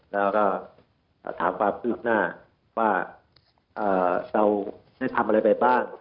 แล้วก็ถามความคืบหน้าว่าเราได้ทำอะไรไปบ้าง